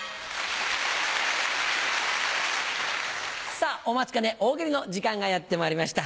さぁお待ちかね大喜利の時間がやってまいりました。